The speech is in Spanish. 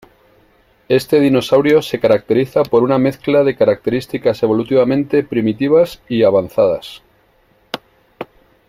Este dinosaurio se caracteriza por una mezcla de características evolutivamente primitivas y avanzadas.